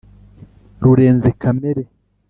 rurenze kamere